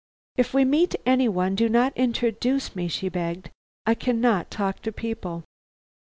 "If we meet any one, do not introduce me," she begged. "I cannot talk to people."